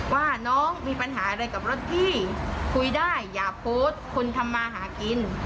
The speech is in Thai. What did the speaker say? ว่าน้องมีปัญหาอะไรกับรถพี่คุยได้อย่าโพสต์คนทำมาหากิน